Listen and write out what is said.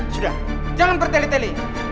sudah jangan berteli teli